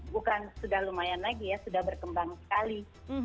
bukan sudah lumayan lagi ya sudah berkembang sekali